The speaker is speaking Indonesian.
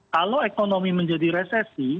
kalau ekonomi menjadi resesi